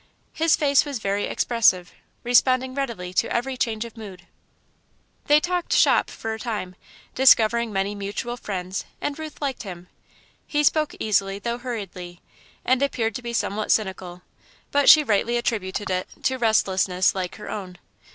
His face was very expressive, responding readily to every change of mood. They talked "shop" for a time, discovering many mutual friends, and Ruth liked him. He spoke easily, though hurriedly, and appeared to be somewhat cynical, but she rightly attributed it to restlessness like her own.